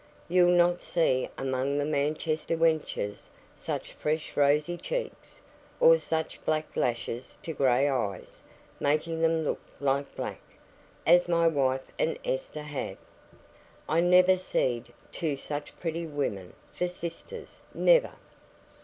You'll not see among the Manchester wenches such fresh rosy cheeks, or such black lashes to gray eyes (making them look like black), as my wife and Esther had. I never seed two such pretty women for sisters; never.